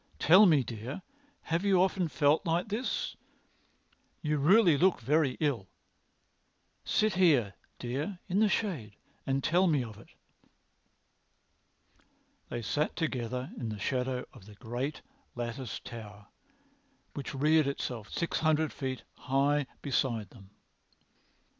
Tell me, dear, have you often felt like this? You really look very ill. Sit here, dear, in the shade and tell me of it." They sat together in the shadow of the great latticed Tower which reared itself six hundred feet high beside them.